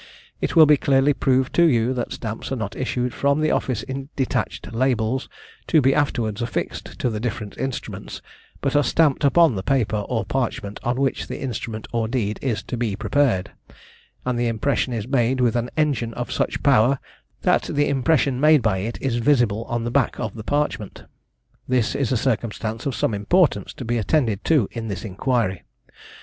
It will be clearly proved to you, that stamps are not issued from the office in detached labels, to be afterwards affixed to the different instruments, but are stamped upon the paper or parchment on which the instrument or deed is to be prepared, and the impression is made with an engine of such power, that the impression made by it is visible on the back of the parchment. This is a circumstance of some importance to be attended to in this inquiry.